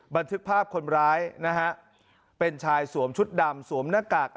บันทึกภาพคนร้ายนะฮะเป็นชายสวมชุดดำสวมหน้ากาก